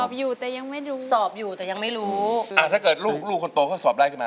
อยู่แต่ยังไม่ดูสอบอยู่แต่ยังไม่รู้อ่าถ้าเกิดลูกลูกคนโตเขาสอบได้ขึ้นมา